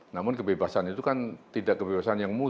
namun kebebasan itu kan tidak kebebasan yang muncul